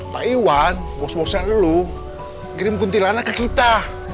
pak iwan bos bosnya leluh ngirim kuntilanah ke kita